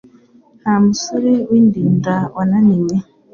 Nta musore w' Indinda wananiwe